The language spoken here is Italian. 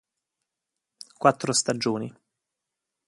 Quattro stagioni